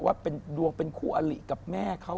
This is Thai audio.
ว่าเป็นดวงเป็นคู่อลิกับแม่เขา